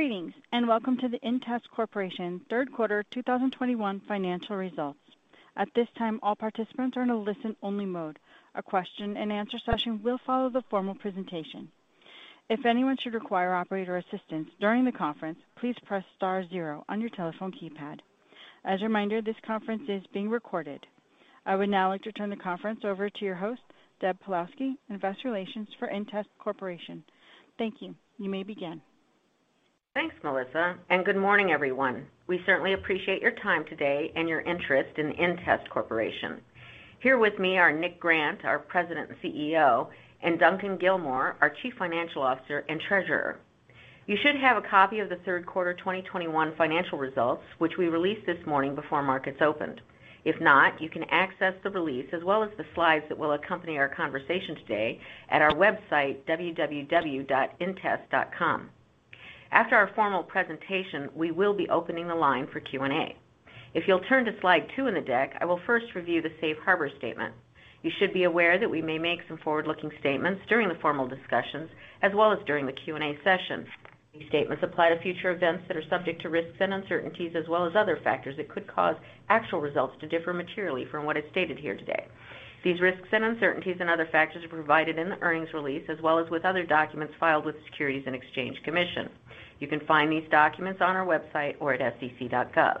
Greetings, and welcome to the inTEST Corporation Q3 2021 financial results. At this time, all participants are in a listen-only mode. A question-and-answer session will follow the formal presentation. If anyone should require operator assistance during the conference, please press star zero on your telephone keypad. As a reminder, this conference is being recorded. I would now like to turn the conference over to your host, Deb Pawlowski, Investor Relations for inTEST Corporation. Thank you. You may begin. Thanks, Melissa, and good morning, everyone. We certainly appreciate your time today and your interest in inTEST Corporation. Here with me are Nick Grant, our President and CEO, and Duncan Gilmour, our Chief Financial Officer and Treasurer. You should have a copy of the Q3 2021 financial results, which we released this morning before markets opened. If not, you can access the release, as well as the slides that will accompany our conversation today, at our website www.intest.com. After our formal presentation, we will be opening the line for Q&A. If you'll turn to slide two in the deck, I will first review the Safe Harbor statement. You should be aware that we may make some forward-looking statements during the formal discussions as well as during the Q&A session. These statements apply to future events that are subject to risks and uncertainties as well as other factors that could cause actual results to differ materially from what is stated here today. These risks and uncertainties and other factors are provided in the earnings release as well as with other documents filed with the Securities and Exchange Commission. You can find these documents on our website or at sec.gov.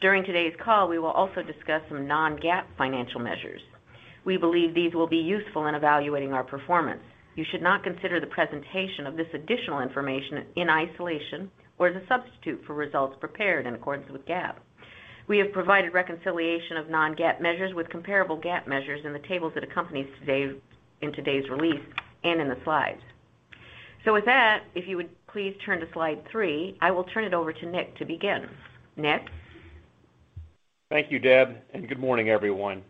During today's call, we will also discuss some non-GAAP financial measures. We believe these will be useful in evaluating our performance. You should not consider the presentation of this additional information in isolation or as a substitute for results prepared in accordance with GAAP. We have provided reconciliation of non-GAAP measures with comparable GAAP measures in the tables that accompanies today's release and in the slides. With that, if you would please turn to slide three, I will turn it over to Nick to begin. Nick? Thank you, Deb, and good morning, everyone.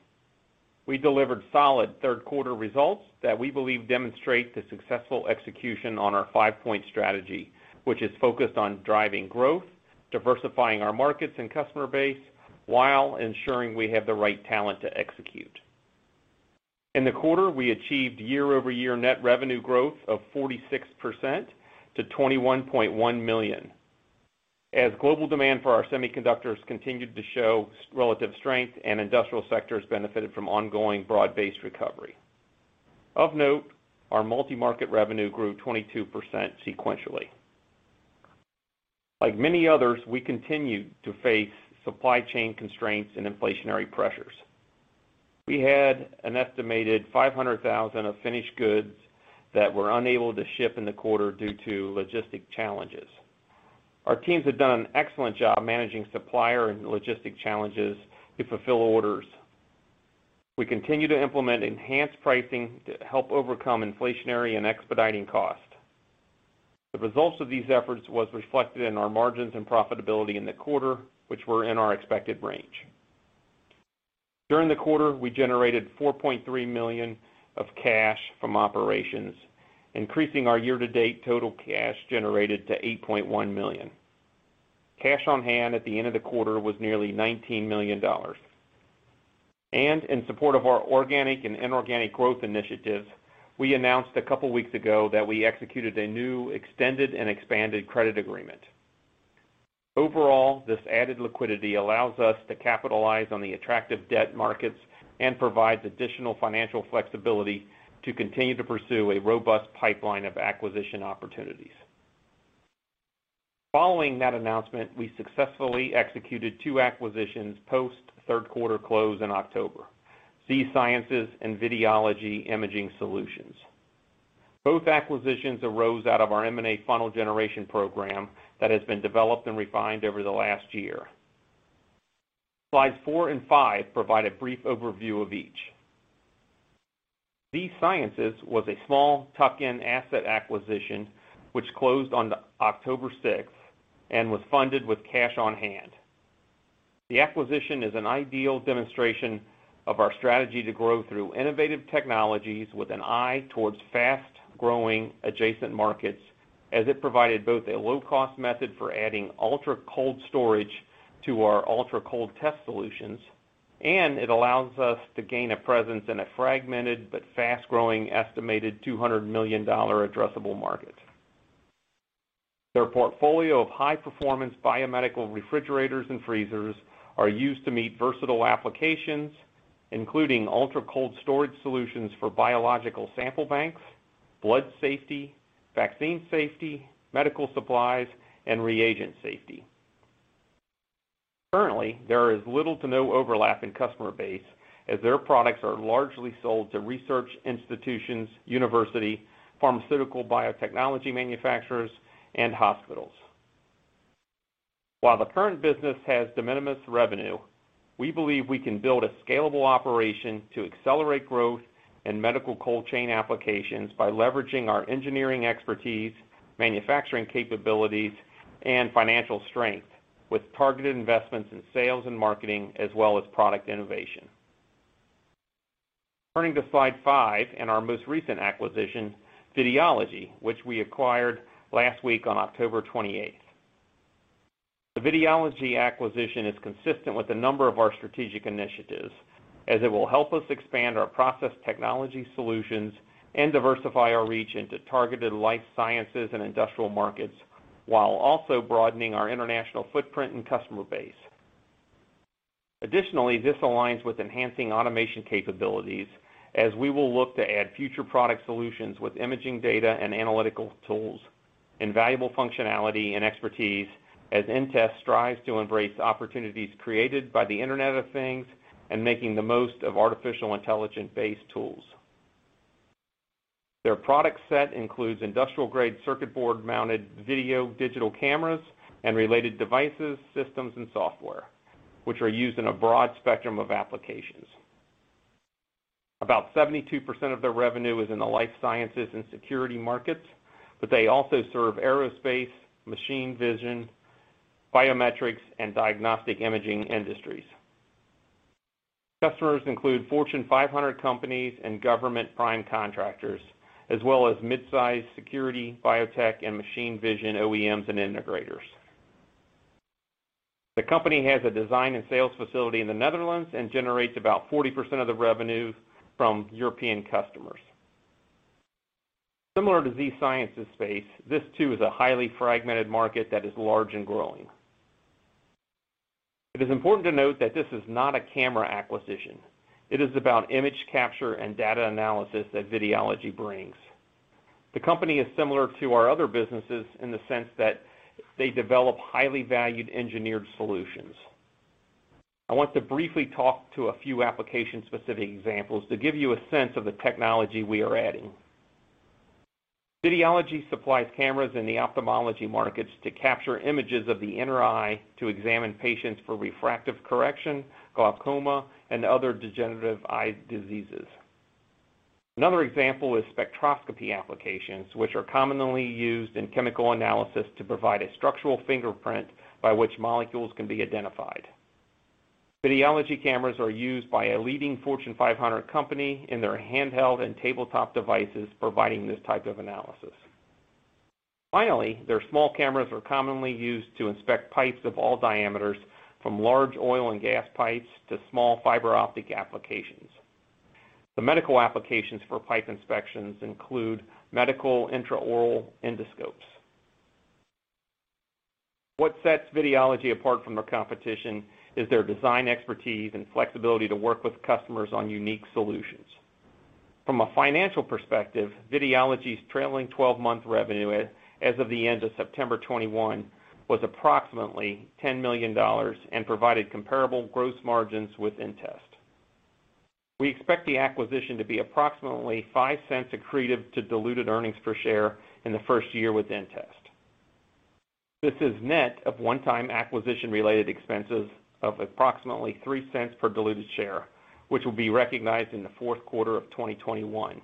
We delivered solid Q3 results that we believe demonstrate the successful execution on our five-point strategy, which is focused on driving growth, diversifying our markets and customer base while ensuring we have the right talent to execute. In the quarter, we achieved year-over-year net revenue growth of 46% to $21.1 million. As global demand for our semiconductors continued to show strong relative strength and industrial sectors benefited from ongoing broad-based recovery. Of note, our multi-market revenue grew 22% sequentially. Like many others, we continue to face supply chain constraints and inflationary pressures. We had an estimated $500,000 of finished goods that were unable to ship in the quarter due to logistics challenges. Our teams have done an excellent job managing supplier and logistics challenges to fulfill orders. We continue to implement enhanced pricing to help overcome inflationary and expediting costs. The results of these efforts was reflected in our margins and profitability in the quarter, which were in our expected range. During the quarter, we generated $4.3 million of cash from operations, increasing our year-to-date total cash generated to $8.1 million. Cash on hand at the end of the quarter was nearly $19 million. In support of our organic and inorganic growth initiatives, we announced a couple weeks ago that we executed a new extended and expanded credit agreement. Overall, this added liquidity allows us to capitalize on the attractive debt markets and provides additional financial flexibility to continue to pursue a robust pipeline of acquisition opportunities. Following that announcement, we successfully executed two acquisitions post Q3 close in October: Z-Sciences and Videology Imaging Solutions. Both acquisitions arose out of our M&A funnel generation program that has been developed and refined over the last year. Slides four and five provide a brief overview of each. Z-Sciences was a small tuck-in asset acquisition which closed on October sixth and was funded with cash on hand. The acquisition is an ideal demonstration of our strategy to grow through innovative technologies with an eye towards fast-growing adjacent markets, as it provided both a low cost method for adding ultra-cold storage to our ultra-cold test solutions, and it allows us to gain a presence in a fragmented but fast-growing, estimated $200 million addressable market. Their portfolio of high-performance biomedical refrigerators and freezers are used to meet versatile applications, including ultra-cold storage solutions for biological sample banks, blood safety, vaccine safety, medical supplies, and reagent safety. Currently, there is little to no overlap in customer base, as their products are largely sold to research institutions, university, pharmaceutical biotechnology manufacturers, and hospitals. While the current business has de minimis revenue, we believe we can build a scalable operation to accelerate growth in medical cold chain applications by leveraging our engineering expertise, manufacturing capabilities, and financial strength with targeted investments in sales and marketing as well as product innovation. Turning to slide five and our most recent acquisition, Videology, which we acquired last week on October 28. The Videology acquisition is consistent with a number of our strategic initiatives as it will help us expand our process technology solutions and diversify our reach into targeted life sciences and industrial markets, while also broadening our international footprint and customer base. Additionally, this aligns with enhancing automation capabilities as we will look to add future product solutions with imaging data and analytical tools and valuable functionality and expertise as inTEST strives to embrace opportunities created by the Internet of Things and making the most of artificial intelligence-based tools. Their product set includes industrial-grade circuit board mounted video digital cameras and related devices, systems, and software, which are used in a broad spectrum of applications. About 72% of their revenue is in the life sciences and security markets, but they also serve aerospace, machine vision, biometrics, and diagnostic imaging industries. Customers include Fortune 500 companies and government prime contractors, as well as mid-size security, biotech, and machine vision OEMs and integrators. The company has a design and sales facility in the Netherlands and generates about 40% of the revenue from European customers. Similar to Z-Sciences's space, this too is a highly fragmented market that is large and growing. It is important to note that this is not a camera acquisition. It is about image capture and data analysis that Videology brings. The company is similar to our other businesses in the sense that they develop highly valued engineered solutions. I want to briefly talk to a few application-specific examples to give you a sense of the technology we are adding. Videology supplies cameras in the ophthalmology markets to capture images of the inner eye to examine patients for refractive correction, glaucoma, and other degenerative eye diseases. Another example is spectroscopy applications, which are commonly used in chemical analysis to provide a structural fingerprint by which molecules can be identified. Videology cameras are used by a leading Fortune 500 company in their handheld and tabletop devices providing this type of analysis. Finally, their small cameras are commonly used to inspect pipes of all diameters, from large oil and gas pipes to small fiber optic applications. The medical applications for pipe inspections include medical intraoral endoscopes. What sets Videology apart from their competition is their design expertise and flexibility to work with customers on unique solutions. From a financial perspective, Videology's trailing twelve-month revenue as of the end of September 2021 was approximately $10 million and provided comparable gross margins with inTEST. We expect the acquisition to be approximately $0.05 accretive to diluted earnings per share in the first year with inTEST. This is net of one-time acquisition-related expenses of approximately $0.03 per diluted share, which will be recognized in the Q4 of 2021.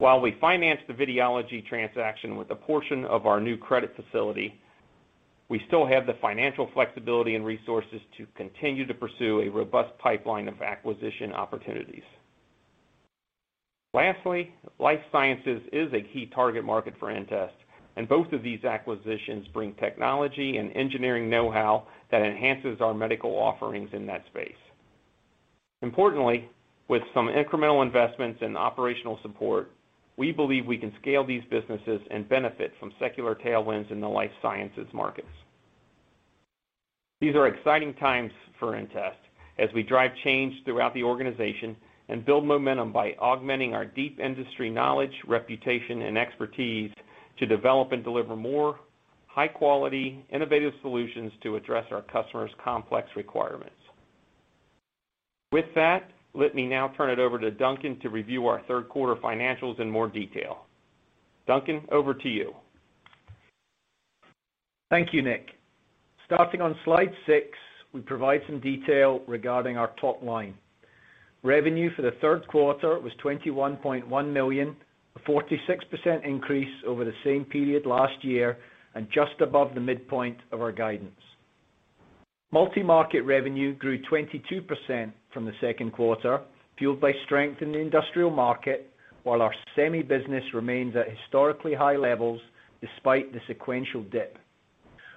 While we finance the Videology transaction with a portion of our new credit facility, we still have the financial flexibility and resources to continue to pursue a robust pipeline of acquisition opportunities. Lastly, life sciences is a key target market for inTEST, and both of these acquisitions bring technology and engineering know-how that enhances our medical offerings in that space. Importantly, with some incremental investments in operational support, we believe we can scale these businesses and benefit from secular tailwinds in the life sciences markets. These are exciting times for inTEST as we drive change throughout the organization and build momentum by augmenting our deep industry knowledge, reputation, and expertise to develop and deliver more high quality, innovative solutions to address our customers' complex requirements. With that, let me now turn it over to Duncan to review our Q3 financials in more detail. Duncan, over to you. Thank you, Nick. Starting on slide six, we provide some detail regarding our top line. Revenue for the Q3 was $21.1 million, a 46% increase over the same period last year and just above the midpoint of our guidance. Multi-market revenue grew 22% from the Q2, fueled by strength in the industrial market, while our semi business remains at historically high levels despite the sequential dip.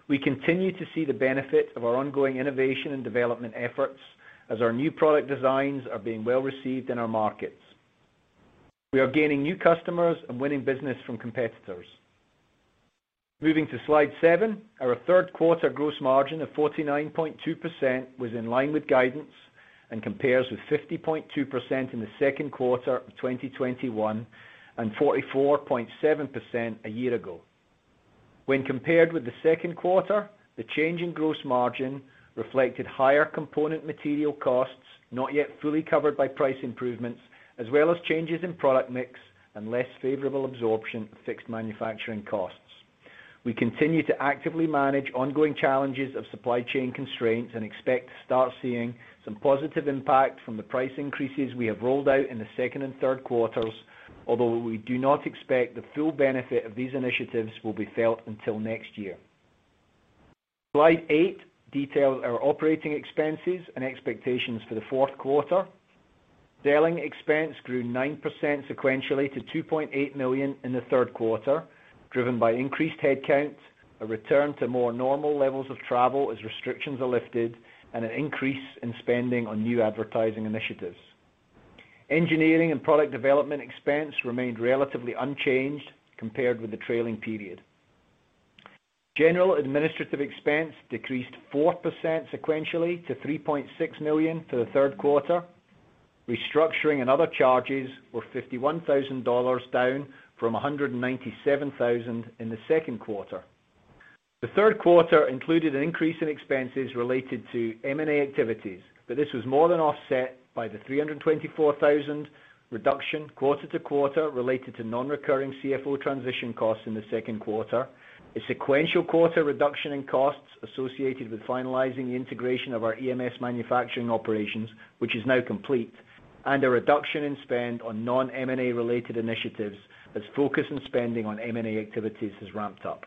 We continue to see the benefit of our ongoing innovation and development efforts as our new product designs are being well received in our markets. We are gaining new customers and winning business from competitors. Moving to slide seven. Our Q3 gross margin of 49.2% was in line with guidance and compares with 50.2% in the Q2 of 2021 and 44.7% a year ago. When compared with the Q2, the change in gross margin reflected higher component material costs, not yet fully covered by price improvements, as well as changes in product mix and less favorable absorption of fixed manufacturing costs. We continue to actively manage ongoing challenges of supply chain constraints and expect to start seeing some positive impact from the price increases we have rolled out in the second and Q3s, although we do not expect the full benefit of these initiatives will be felt until next year. Slide eight details our operating expenses and expectations for the Q4. selling expense grew 9% sequentially to $2.8 million in the Q3, driven by increased headcount, a return to more normal levels of travel as restrictions are lifted, and an increase in spending on new advertising initiatives. Engineering and product development expense remained relatively unchanged compared with the trailing period. General administrative expense decreased 4% sequentially to $3.6 million for the Q3. Restructuring and other charges were $51,000, down from $197,000 in the Q2. The Q3 included an increase in expenses related to M&A activities, but this was more than offset by the $324,000 reduction quarter-over-quarter related to non-recurring CFO transition costs in the Q2, a sequential quarter-over-quarter reduction in costs associated with finalizing the integration of our EMS manufacturing operations, which is now complete, and a reduction in spend on non-M&A related initiatives as focus and spending on M&A activities has ramped up.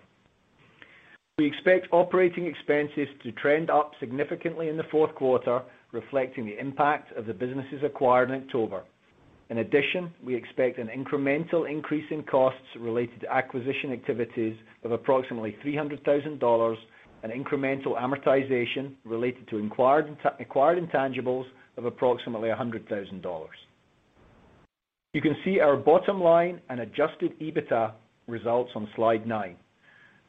We expect operating expenses to trend up significantly in the Q4, reflecting the impact of the businesses acquired in October. In addition, we expect an incremental increase in costs related to acquisition activities of approximately $300,000 and incremental amortization related to acquired intangibles of approximately $100,000. You can see our bottom line and adjusted EBITDA results on slide nine.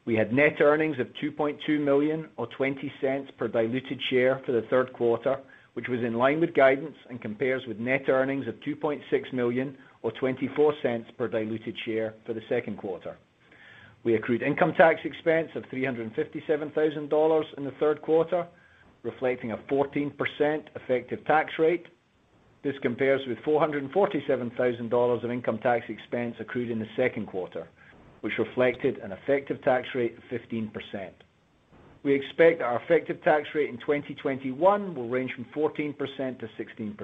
We had net earnings of $2.2 million or $0.20 per diluted share for the Q3, which was in line with guidance and compares with net earnings of $2.6 million or $0.24 per diluted share for the Q2. We accrued income tax expense of $357,000 in the Q3, reflecting a 14% effective tax rate. This compares with $447,000 of income tax expense accrued in the Q2, which reflected an effective tax rate of 15%. We expect our effective tax rate in 2021 will range from 14%-16%.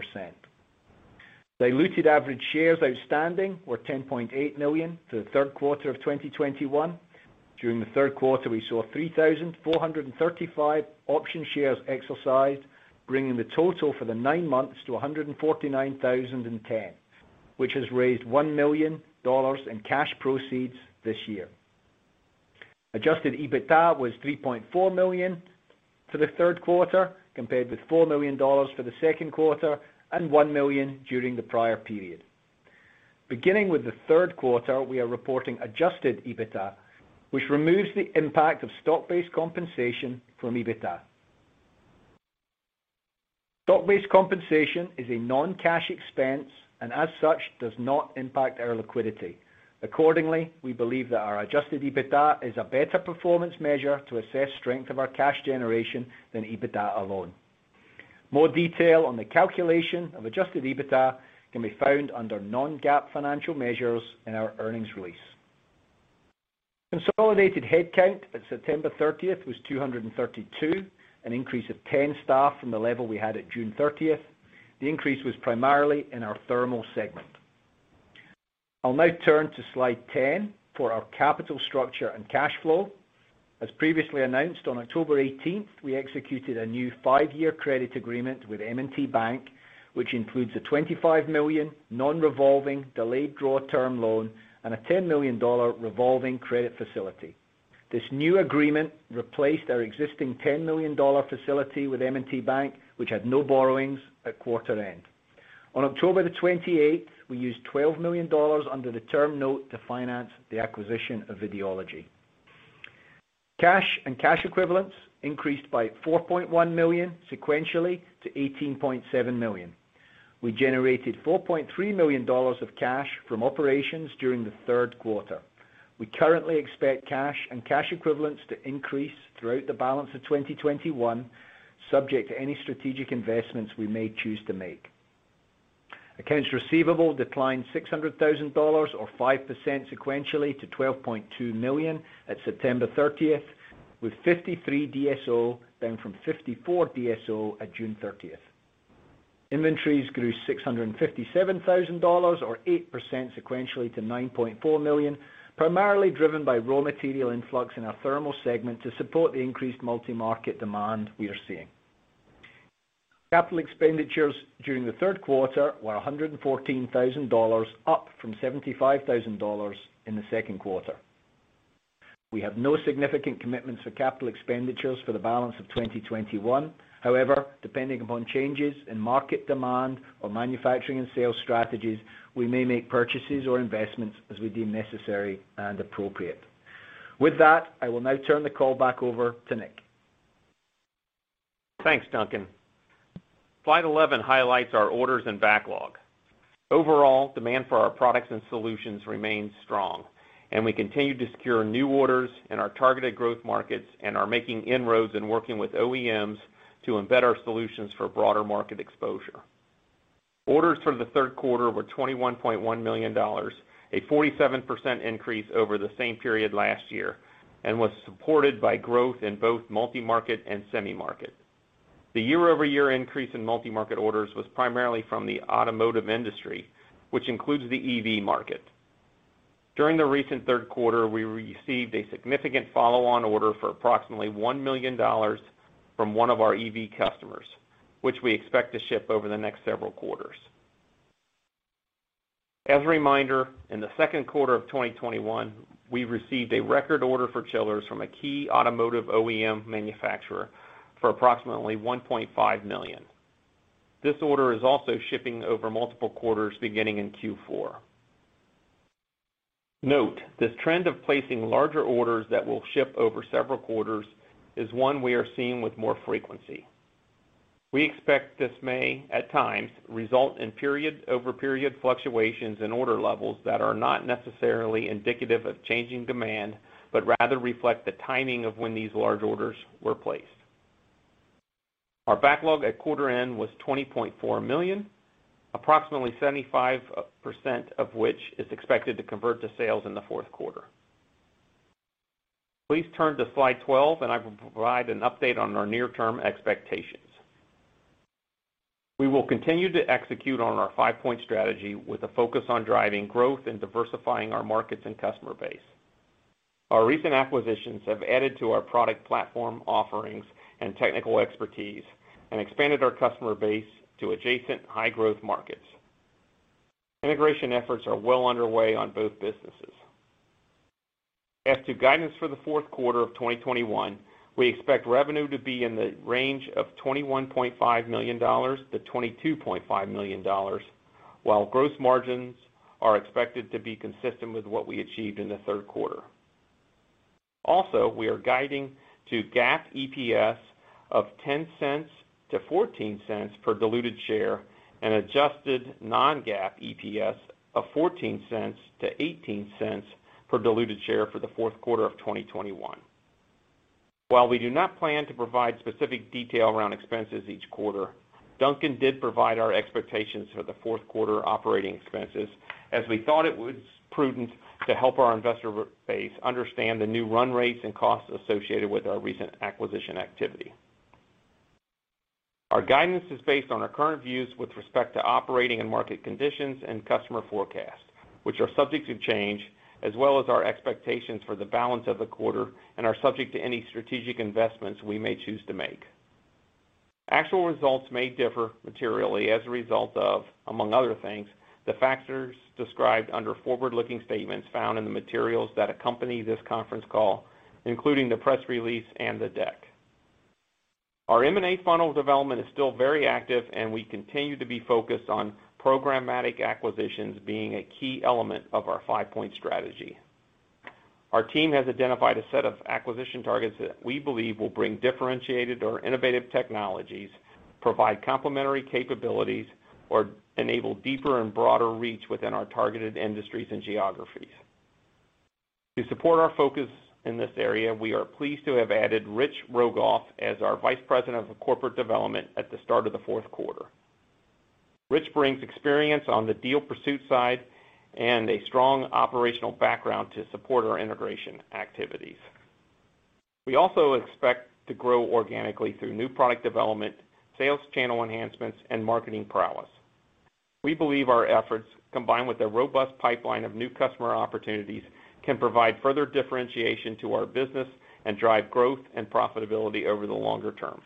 Diluted average shares outstanding were 10.8 million for the Q3 of 2021. During the Q3, we saw 3,435 option shares exercised, bringing the total for the nine months to 149,010, which has raised $1 million in cash proceeds this year. Adjusted EBITDA was $3.4 million for the Q3, compared with $4 million for the Q2 and $1 million during the prior period. Beginning with the Q3, we are reporting adjusted EBITDA, which removes the impact of stock-based compensation from EBITDA. Stock-based compensation is a non-cash expense and as such, does not impact our liquidity. Accordingly, we believe that our adjusted EBITDA is a better performance measure to assess strength of our cash generation than EBITDA alone. More detail on the calculation of adjusted EBITDA can be found under non-GAAP financial measures in our earnings release. Consolidated headcount at September 30 was 232, an increase of 10 staff from the level we had at June 30. The increase was primarily in our thermal segment. I'll now turn to slide 10 for our capital structure and cash flow. As previously announced on October 18, we executed a new five-year credit agreement with M&T Bank, which includes a $25 million non-revolving delayed draw term loan and a $10 million revolving credit facility. This new agreement replaced our existing $10 million facility with M&T Bank, which had no borrowings at quarter end. On October 28, we used $12 million under the term note to finance the acquisition of Videology. Cash and cash equivalents increased by $4.1 million sequentially to $18.7 million. We generated $4.3 million of cash from operations during the Q3. We currently expect cash and cash equivalents to increase throughout the balance of 2021, subject to any strategic investments we may choose to make. Accounts receivable declined $600,000 or 5% sequentially to $12.2 million at September 30, with 53 DSO down from 54 DSO at June 30. Inventories grew $657,000 or 8% sequentially to $9.4 million, primarily driven by raw material influx in our thermal segment to support the increased multi-market demand we are seeing. Capital expenditures during the Q3 were $114,000, up from $75,000 in the Q2. We have no significant commitments for capital expenditures for the balance of 2021. However, depending upon changes in market demand or manufacturing and sales strategies, we may make purchases or investments as we deem necessary and appropriate. With that, I will now turn the call back over to Nick. Thanks, Duncan. Slide 11 highlights our orders and backlog. Overall, demand for our products and solutions remains strong, and we continue to secure new orders in our targeted growth markets and are making inroads in working with OEMs to embed our solutions for broader market exposure. Orders for the Q3 were $21.1 million, a 47% increase over the same period last year, and was supported by growth in both multi-market and semi-market. The year-over-year increase in multi-market orders was primarily from the automotive industry, which includes the EV market. During the recent Q3, we received a significant follow-on order for approximately $1 million from one of our EV customers, which we expect to ship over the next several quarters. As a reminder, in the Q2 of 2021, we received a record order for chillers from a key automotive OEM manufacturer for approximately $1.5 million. This order is also shipping over multiple quarters beginning in Q4. Note, this trend of placing larger orders that will ship over several quarters is one we are seeing with more frequency. We expect this may, at times, result in period-over-period fluctuations in order levels that are not necessarily indicative of changing demand, but rather reflect the timing of when these large orders were placed. Our backlog at quarter end was $20.4 million, approximately 75% of which is expected to convert to sales in the Q4. Please turn to slide 12, and I will provide an update on our near-term expectations. We will continue to execute on our five-point strategy with a focus on driving growth and diversifying our markets and customer base. Our recent acquisitions have added to our product platform offerings and technical expertise and expanded our customer base to adjacent high-growth markets. Integration efforts are well underway on both businesses. As to guidance for the Q4 of 2021, we expect revenue to be in the range of $21.5 million-$22.5 million, while gross margins are expected to be consistent with what we achieved in the Q3. Also, we are guiding to GAAP EPS of $0.10-$0.14 per diluted share and adjusted non-GAAP EPS of $0.14-$0.18 per diluted share for the Q4 of 2021. While we do not plan to provide specific detail around expenses each quarter, Duncan did provide our expectations for the Q4 operating expenses as we thought it was prudent to help our investor base understand the new run rates and costs associated with our recent acquisition activity. Our guidance is based on our current views with respect to operating and market conditions and customer forecasts, which are subject to change as well as our expectations for the balance of the quarter and are subject to any strategic investments we may choose to make. Actual results may differ materially as a result of, among other things, the factors described under forward-looking statements found in the materials that accompany this conference call, including the press release and the deck. Our M&A funnel development is still very active, and we continue to be focused on programmatic acquisitions being a key element of our five-point strategy. Our team has identified a set of acquisition targets that we believe will bring differentiated or innovative technologies, provide complementary capabilities, or enable deeper and broader reach within our targeted industries and geographies. To support our focus in this area, we are pleased to have added Rich Rogoff as our Vice President of Corporate Development at the start of the Q4. Rich brings experience on the deal pursuit side and a strong operational background to support our integration activities. We also expect to grow organically through new product development, sales channel enhancements, and marketing prowess. We believe our efforts, combined with a robust pipeline of new customer opportunities, can provide further differentiation to our business and drive growth and profitability over the longer term.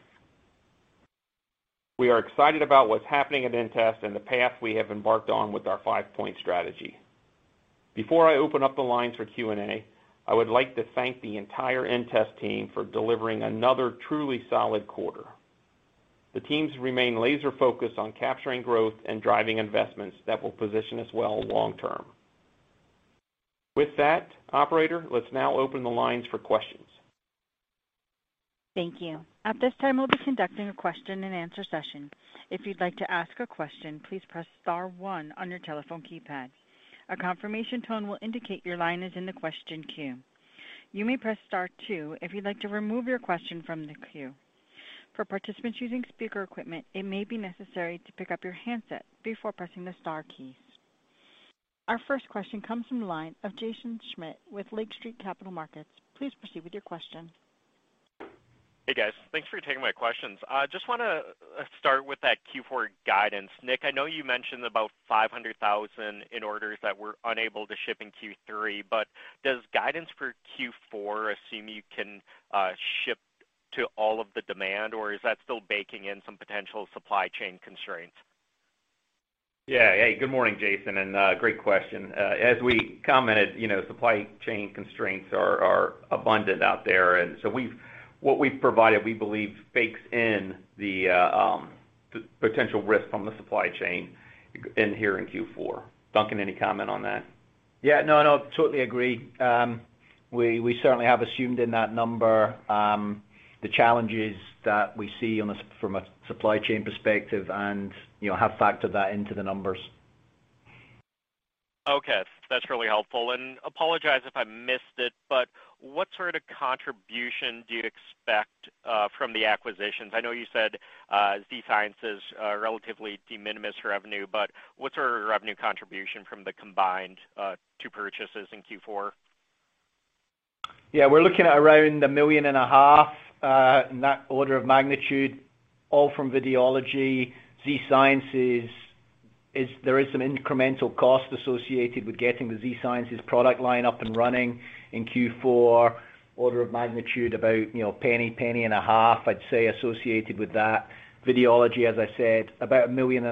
We are excited about what's happening at inTEST and the path we have embarked on with our five-point strategy. Before I open up the lines for Q&A, I would like to thank the entire inTEST team for delivering another truly solid quarter. The teams remain laser-focused on capturing growth and driving investments that will position us well long term. With that, operator, let's now open the lines for questions. Thank you. At this time, we'll be conducting a question-and-answer session. If you'd like to ask a question, please press star one on your telephone keypad. A confirmation tone will indicate your line is in the question queue. You may press star two if you'd like to remove your question from the queue. For participants using speaker equipment, it may be necessary to pick up your handset before pressing the star keys. Our first question comes from the line of Jaeson Schmidt with Lake Street Capital Markets. Please proceed with your question. Hey, guys. Thanks for taking my questions. Just wanna start with that Q4 guidance. Nick, I know you mentioned about 500,000 in orders that were unable to ship in Q3, but does guidance for Q4 assume you can ship to all of the demand, or is that still baking in some potential supply chain constraints? Yeah. Hey, good morning, Jaeson, and great question. As we commented, you know, supply chain constraints are abundant out there. What we've provided, we believe, bakes in the potential risk from the supply chain in here in Q4. Duncan, any comment on that? Yeah. No, no, totally agree. We certainly have assumed in that number the challenges that we see from a supply chain perspective and, you know, have factored that into the numbers. Okay. That's really helpful. Apologize if I missed it, but what sort of contribution do you expect from the acquisitions? I know you said Z-Sciences are relatively de minimis revenue, but what's your revenue contribution from the combined two purchases in Q4? Yeah, we're looking at around $1.5 million in that order of magnitude, all from Videology. Z-Sciences, there is some incremental cost associated with getting the Z-Sciences product line up and running in Q4. Order of magnitude about 1.5 cents, I'd say, associated with that. Videology, as I said, about $1.5 million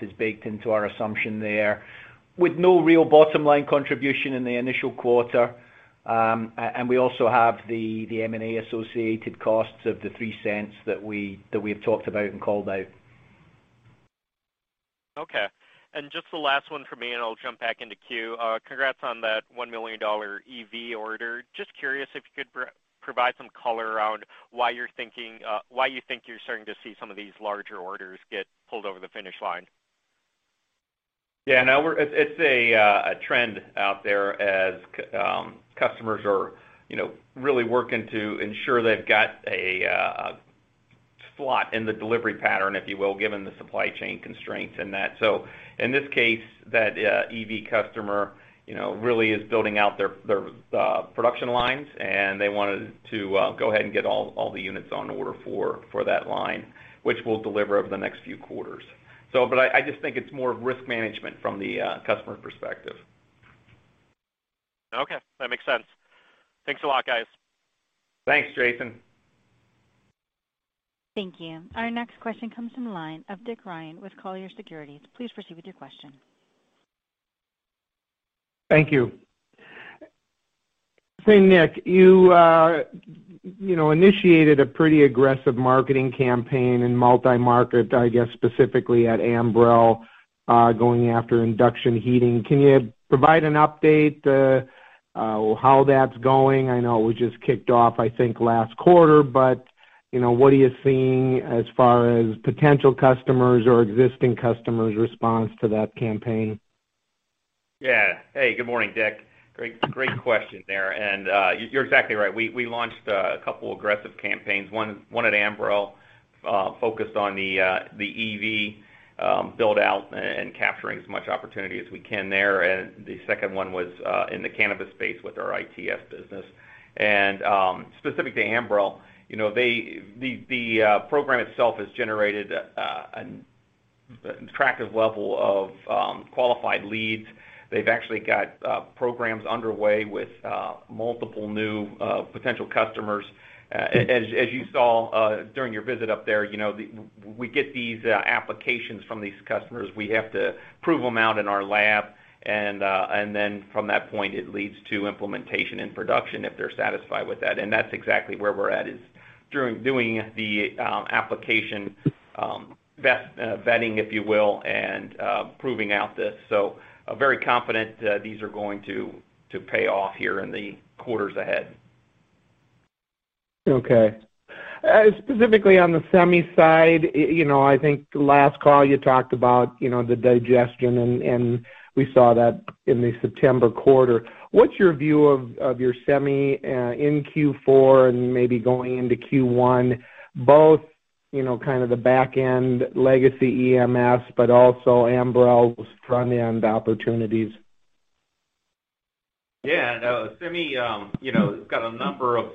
is baked into our assumption there with no real bottom line contribution in the initial quarter. We also have the M&A associated costs of $0.03 that we've talked about and called out. Okay. Just the last one for me, and I'll jump back into queue. Congrats on that $1 million EV order. Just curious if you could provide some color around why you think you're starting to see some of these larger orders get pulled over the finish line. It's a trend out there as customers are, you know, really working to ensure they've got a slot in the delivery pattern, if you will, given the supply chain constraints and that. In this case that EV customer, you know, really is building out their production lines, and they wanted to go ahead and get all the units on order for that line, which we'll deliver over the next few quarters. But I just think it's more of risk management from the customer perspective. Okay, that makes sense. Thanks a lot, guys. Thanks, Jaeson. Thank you. Our next question comes from the line of Dick Ryan with Colliers Securities. Please proceed with your question. Thank you. Say, Nick, you know, initiated a pretty aggressive marketing campaign in multi-market, I guess, specifically at Ambrell, going after induction heating. Can you provide an update, how that's going? I know it was just kicked off, I think, last quarter, but, you know, what are you seeing as far as potential customers or existing customers' response to that campaign? Yeah. Hey, good morning, Dick. Great question there. You're exactly right. We launched a couple aggressive campaigns, one at Ambrell, focused on the EV build out and capturing as much opportunity as we can there. The second one was in the cannabis space with our ITS business. Specific to Ambrell, the program itself has generated an attractive level of qualified leads. They've actually got programs underway with multiple new potential customers. As you saw during your visit up there, we get these applications from these customers. We have to prove them out in our lab, and then from that point, it leads to implementation and production if they're satisfied with that. That's exactly where we're at, is doing the application vetting, if you will, and proving out this. I'm very confident that these are going to pay off here in the quarters ahead. Okay. Specifically on the semi side, you know, I think last call you talked about, you know, the digestion and we saw that in the September quarter. What's your view of your semi in Q4 and maybe going into Q1, both, you know, kind of the back end legacy EMS, but also Ambrell's front end opportunities? Yeah, no, semi, you know, it's got a number of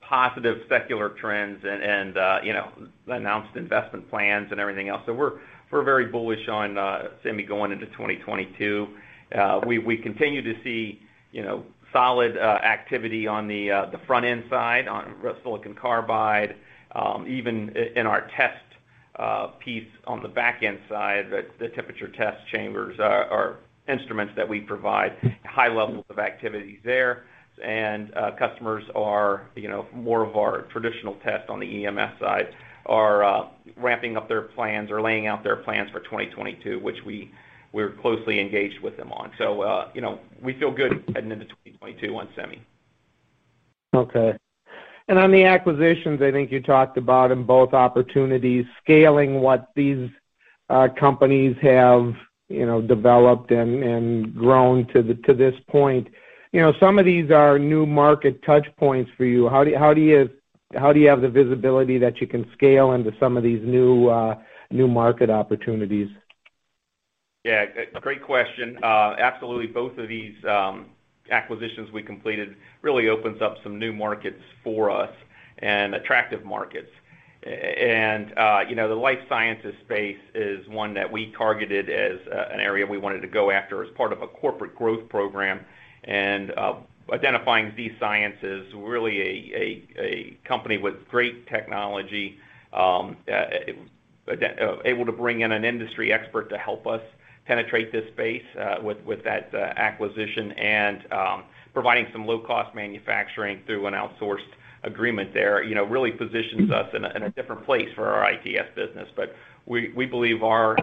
positive secular trends and you know announced investment plans and everything else. We're very bullish on semi going into 2022. We continue to see you know solid activity on the front-end side on silicon carbide, even in our test piece on the back-end side, the temperature test chambers are instruments that we provide high levels of activity there. Customers are you know more of our traditional test on the EMS side are ramping up their plans or laying out their plans for 2022, which we're closely engaged with them on. You know, we feel good heading into 2022 on semi. Okay. On the acquisitions, I think you talked about in both opportunities, scaling what these companies have, you know, developed and grown to this point. You know, some of these are new market touchpoints for you. How do you have the visibility that you can scale into some of these new market opportunities? Yeah, great question. Absolutely, both of these acquisitions we completed really opens up some new markets for us and attractive markets. You know, the life sciences space is one that we targeted as an area we wanted to go after as part of a corporate growth program. Identifying Z-Sciences, really a company with great technology, able to bring in an industry expert to help us penetrate this space, with that acquisition and providing some low cost manufacturing through an outsourced agreement there, you know, really positions us in a different place for our ITS business. We believe our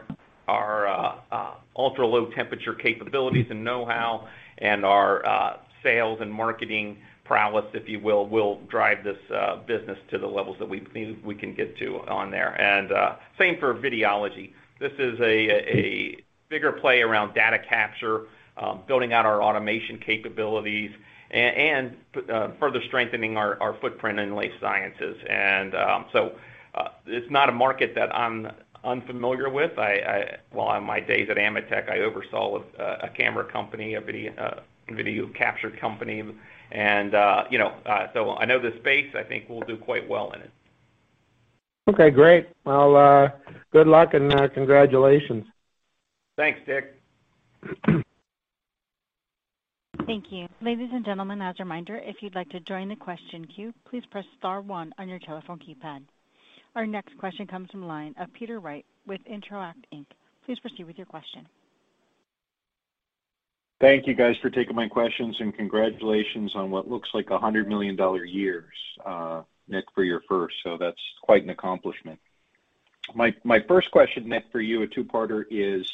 ultra-low temperature capabilities and know-how and our sales and marketing prowess, if you will drive this business to the levels that we feel we can get to on there. Same for Videology. This is a bigger play around data capture, building out our automation capabilities and further strengthening our footprint in life sciences. It's not a market that I'm unfamiliar with. Well, on my days at AMETEK, I oversaw a camera company, a video capture company. You know, I know this space, I think we'll do quite well in it. Okay, great. Well, good luck and, congratulations. Thanks, Dick. Thank you. Ladies and gentlemen, as a reminder, if you'd like to join the question queue, please press star one on your telephone keypad. Our next question comes from line of Peter Wright with Intro-act. Please proceed with your question. Thank you guys for taking my questions and congratulations on what looks like a $100 million year, Nick, for your first. That's quite an accomplishment. My first question, Nick, for you, a two-parter is,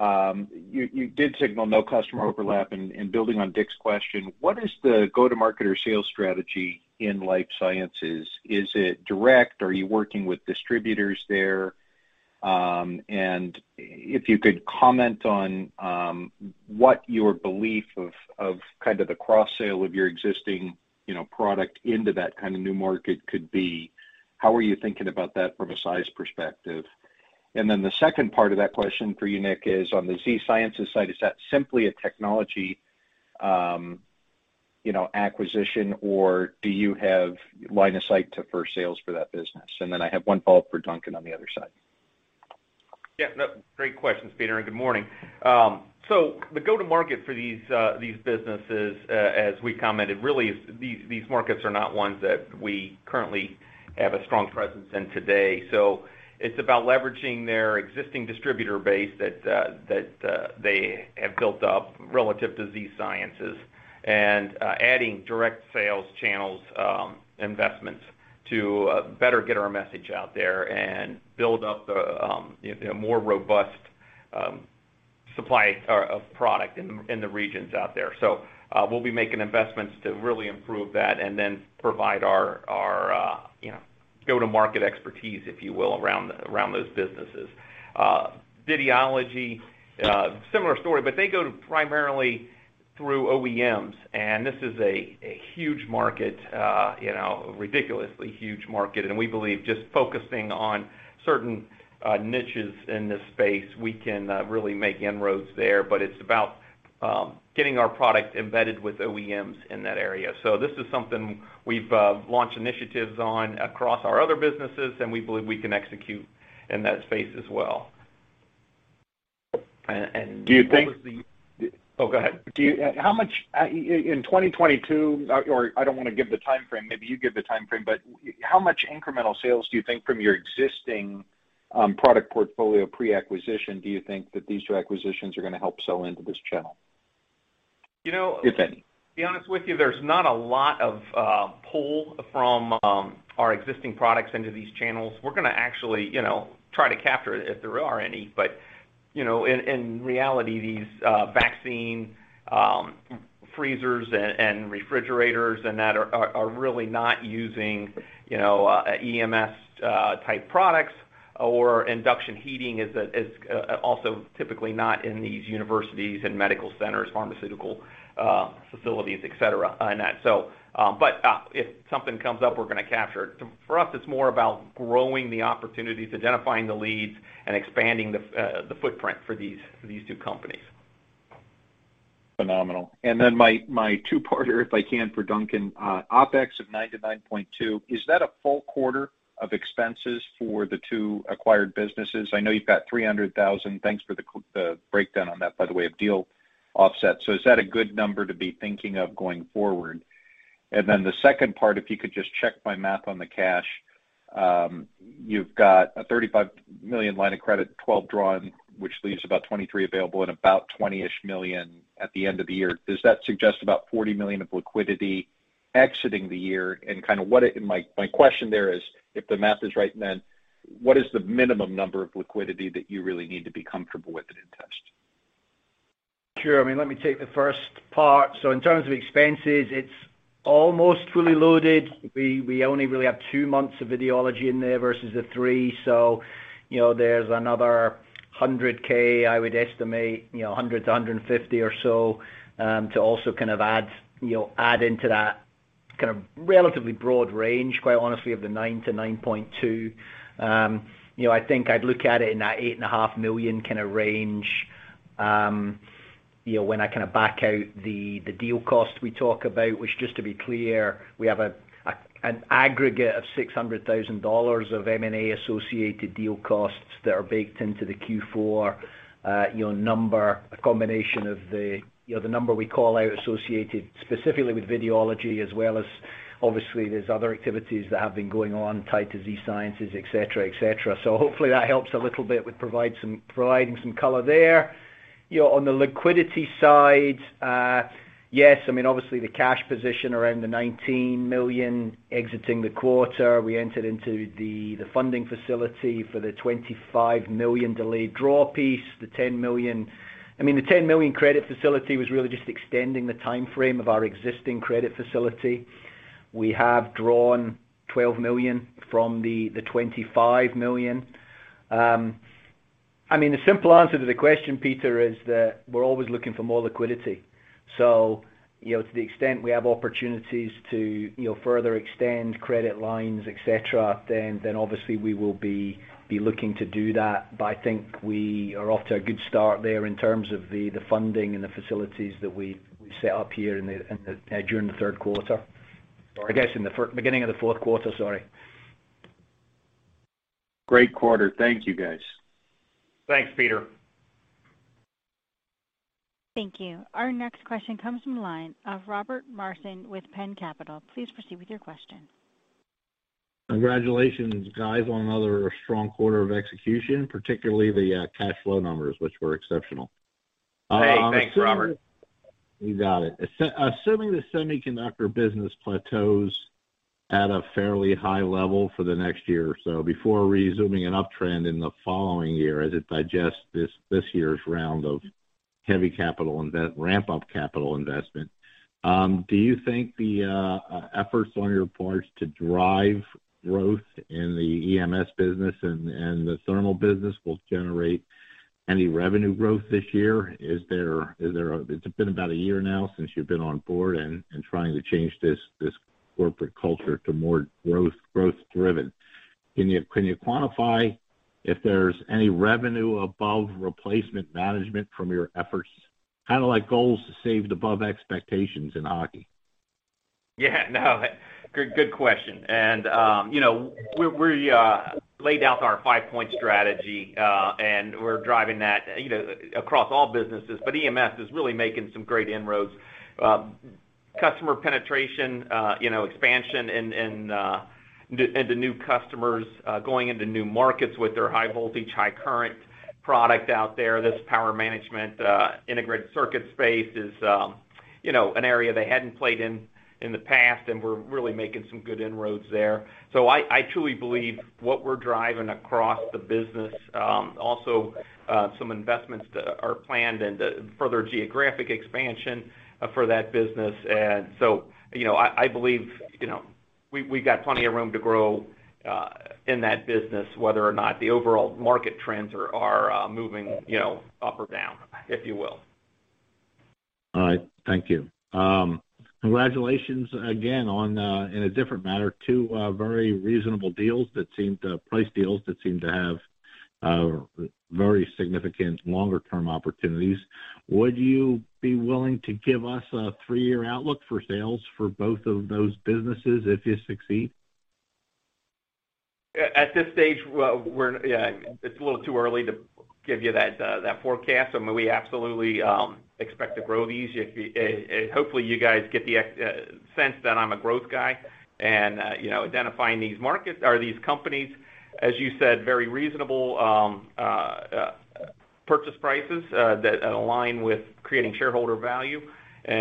you did signal no customer overlap and building on Dick's question, what is the go-to-market or sales strategy in life sciences? Is it direct? Are you working with distributors there? And if you could comment on what your belief of kind of the cross sale of your existing, you know, product into that kind of new market could be. How are you thinking about that from a size perspective? Then the second part of that question for you, Nick, is on the Z-Sciences side, is that simply a technology, you know, acquisition or do you have line of sight to first sales for that business? Then I have one follow-up for Duncan on the other side. Yeah. No, great questions, Peter, and good morning. The go-to-market for these businesses, as we commented, really is these markets are not ones that we currently have a strong presence in today. It's about leveraging their existing distributor base that they have built up relative to Z-Sciences and adding direct sales channels, investments to better get our message out there and build up the, you know, more robust supply chain of product in the regions out there. We'll be making investments to really improve that and then provide our, you know, go-to-market expertise, if you will, around those businesses. Videology, similar story, but they go primarily through OEMs, and this is a huge market, you know, ridiculously huge market. We believe just focusing on certain niches in this space, we can really make inroads there. It's about getting our product embedded with OEMs in that area. This is something we've launched initiatives on across our other businesses, and we believe we can execute in that space as well. Do you think? Oh, go ahead. How much, in 2022 or I don't want to give the timeframe. Maybe you give the timeframe, but how much incremental sales do you think from your existing product portfolio pre-acquisition do you think that these two acquisitions are gonna help sell into this channel? You know If any. To be honest with you, there's not a lot of pull from our existing products into these channels. We're gonna actually try to capture it if there are any. You know, in reality, these vaccine freezers and refrigerators and that are really not using you know EMS type products or induction heating is also typically not in these universities and medical centers, pharmaceutical facilities, et cetera, on that. If something comes up, we're gonna capture it. For us, it's more about growing the opportunities, identifying the leads, and expanding the footprint for these two companies. Phenomenal. Then my two-parter, if I can, for Duncan, OpEx of $9 million-$9.2 million, is that a full quarter of expenses for the two acquired businesses? I know you've got $300,000. Thanks for the breakdown on that, by the way, of deal offset. Is that a good number to be thinking of going forward? Then the second part, if you could just check my math on the cash. You've got a $35 million line of credit, $12 million drawn, which leaves about $23 million available and about $20 million at the end of the year. Does that suggest about $40 million of liquidity exiting the year? Kind of what it. My question there is, if the math is right, then what is the minimum number of liquidity that you really need to be comfortable with inTEST? Sure. I mean, let me take the first part. In terms of expenses, it's almost fully loaded. We only really have 2 months of Videology in there versus the 3. You know, there's another $100K, I would estimate, you know, $100K-$150K or so to also kind of add into that kind of relatively broad range, quite honestly, of the $9-$9.2. You know, I think I'd look at it in that $8.5 million kind of range, you know, when I kind of back out the deal cost we talk about, which just to be clear, we have an aggregate of $600,000 of M&A associated deal costs that are baked into the Q4 number, a combination of the number we call out associated specifically with Videology as well as obviously there's other activities that have been going on tied to Z-Sciences, et cetera, et cetera. Hopefully that helps a little bit with providing some color there. You know, on the liquidity side, yes, I mean, obviously the cash position around the $19 million exiting the quarter. We entered into the funding facility for the $25 million delayed draw piece. The $10 million credit facility was really just extending the timeframe of our existing credit facility. We have drawn $12 million from the $25 million. The simple answer to the question, Peter, is that we're always looking for more liquidity. You know, to the extent we have opportunities to, you know, further extend credit lines, et cetera, then obviously we will be looking to do that. But I think we are off to a good start there in terms of the funding and the facilities that we set up here during the Q3, or I guess in the beginning of the Q4, sorry. Great quarter. Thank you, guys. Thanks, Peter. Thank you. Our next question comes from the line of Robert Marcin with Penn Capital. Please proceed with your question. Congratulations, guys, on another strong quarter of execution, particularly the cash flow numbers, which were exceptional. Hey, thanks, Robert. You got it. Assuming the semiconductor business plateaus at a fairly high level for the next year or so before resuming an uptrend in the following year as it digests this year's round of heavy ramp-up capital investment, do you think the efforts on your part to drive growth in the EMS business and the thermal business will generate any revenue growth this year? It's been about a year now since you've been on board and trying to change this corporate culture to more growth-driven. Can you quantify if there's any revenue above replacement management from your efforts? Kinda like goals saved above expectations in hockey. Yeah. No. Good question. You know, we laid out our five-point strategy, and we're driving that, you know, across all businesses. EMS is really making some great inroads. Customer penetration, you know, expansion and into new customers, going into new markets with their high voltage, high current product out there. This power management integrated circuit space is an area they hadn't played in the past, and we're really making some good inroads there. I truly believe what we're driving across the business, also some investments that are planned and further geographic expansion for that business. you know, I believe, you know, we've got plenty of room to grow in that business, whether or not the overall market trends are moving, you know, up or down, if you will. All right. Thank you. Congratulations again on 2 very reasonable priced deals that seem to have very significant longer-term opportunities. Would you be willing to give us a 3-year outlook for sales for both of those businesses if you succeed? At this stage, it's a little too early to give you that forecast. I mean, we absolutely expect to grow these. Hopefully, you guys get the sense that I'm a growth guy. You know, identifying these markets or these companies, as you said, very reasonable purchase prices that align with creating shareholder value. You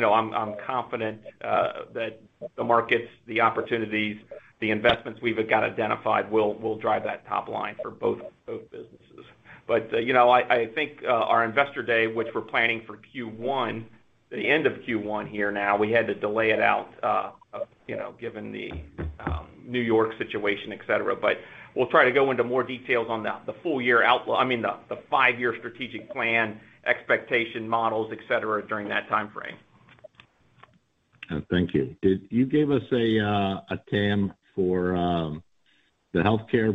know, I'm confident that the markets, the opportunities, the investments we've got identified will drive that top line for both businesses. You know, I think our investor day, which we're planning for Q1, the end of Q1 here now, we had to delay it out, given the New York situation, et cetera. We'll try to go into more details on the full-year outlook, I mean, the five-year strategic plan expectation models, et cetera, during that timeframe. Thank you. You gave us a TAM for the healthcare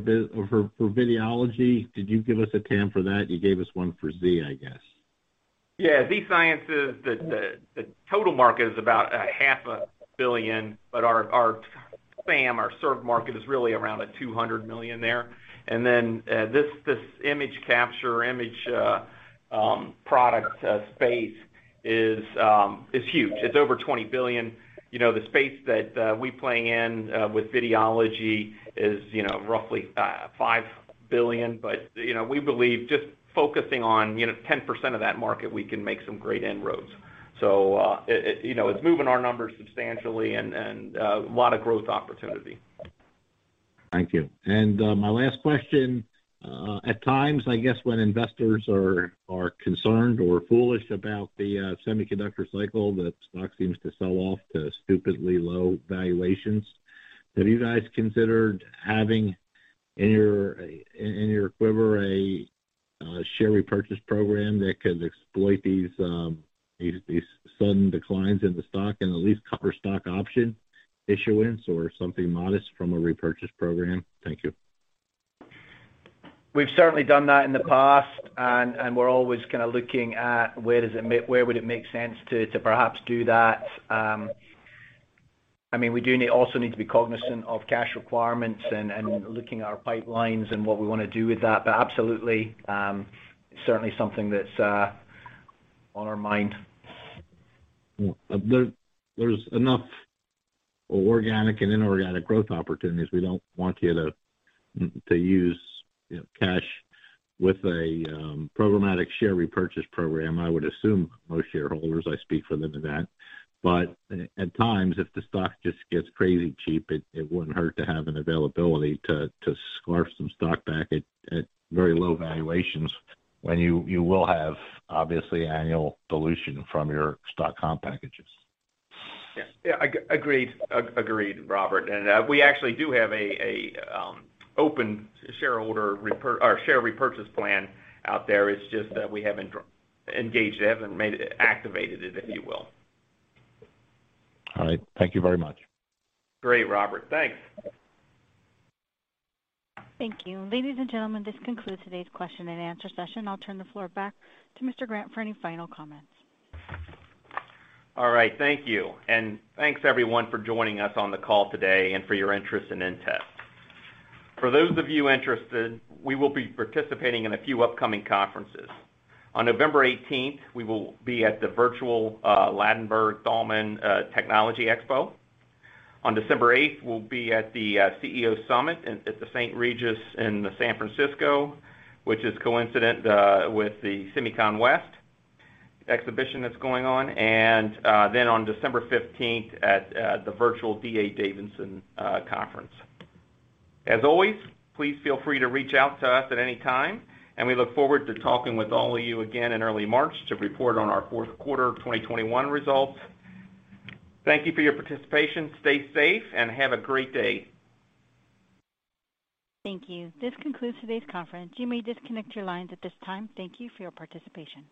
for Videology. Did you give us a TAM for that? You gave us one for Z, I guess. Yeah. Z-Sciences, the total market is about a half a billion, but our SAM, our serviceable addressable market is really around $200 million there. Then, this image capture product space is huge. It's over $20 billion. You know, the space that we play in with Videology is, you know, roughly $5 billion. But, you know, we believe just focusing on, you know, 10% of that market, we can make some great inroads. It, you know, it's moving our numbers substantially and a lot of growth opportunity. Thank you. My last question. At times, I guess when investors are concerned or foolish about the semiconductor cycle, the stock seems to sell off to stupidly low valuations. Have you guys considered having in your quiver a share repurchase program that could exploit these sudden declines in the stock and at least cover stock option issuance or something modest from a repurchase program? Thank you. We've certainly done that in the past, and we're always kinda looking at where would it make sense to perhaps do that. I mean, we also need to be cognizant of cash requirements and looking at our pipelines and what we wanna do with that. Absolutely, certainly something that's on our mind. There's enough organic and inorganic growth opportunities. We don't want you to use, you know, cash with a programmatic share repurchase program. I would assume most shareholders. I speak for them to that. At times, if the stock just gets crazy cheap, it wouldn't hurt to have an availability to scarf some stock back at very low valuations when you will have obviously annual dilution from your stock comp packages. Agreed, Robert. We actually do have an open share repurchase plan out there. It's just that we haven't engaged it, haven't activated it, if you will. All right. Thank you very much. Great, Robert. Thanks. Thank you. Ladies and gentlemen, this concludes today's question and answer session. I'll turn the floor back to Mr. Grant for any final comments. All right. Thank you. Thanks, everyone, for joining us on the call today and for your interest in inTEST. For those of you interested, we will be participating in a few upcoming conferences. On November eighteenth, we will be at the virtual Ladenburg Thalmann Technology Expo. On December eighth, we'll be at the CEO Summit at the St. Regis in San Francisco, which is coincident with the SEMICON West exhibition that's going on. Then on December fifteenth at the virtual D.A. Davidson conference. As always, please feel free to reach out to us at any time, and we look forward to talking with all of you again in early March to report on our Q4 2021 results. Thank you for your participation. Stay safe and have a great day. Thank you. This concludes today's conference. You may disconnect your lines at this time. Thank you for your participation.